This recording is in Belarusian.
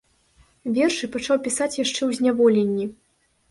Вершы пачаў пісаць яшчэ ў зняволенні.